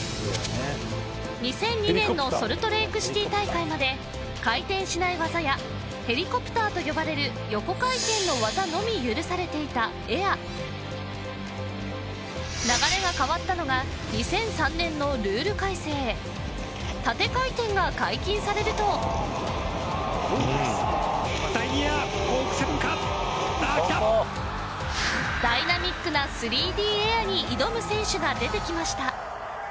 ２００２年のソルトレークシティ大会まで回転しない技や「ヘリコプター」と呼ばれる横回転の技のみ許されていたエア流れが変わったのが２００３年のルール改正縦回転が解禁されるとダイナミックな３Ｄエアに挑む選手が出てきました